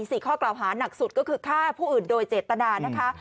ข้อกล่าวหานักสุดก็คือฆ่าผู้อื่นโดยเจตนานะคะ